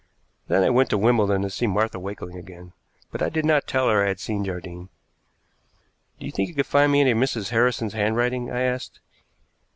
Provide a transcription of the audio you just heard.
Then I went to Wimbledon to see Martha Wakeling again, but I did not tell her I had seen Jardine. "Do you think you could find me any of Mrs. Harrison's handwriting?" I asked.